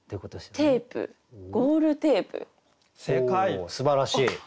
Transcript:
おすばらしい。